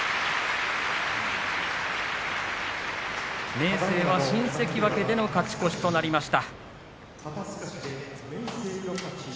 明生は新関脇での勝ち越しとなりました。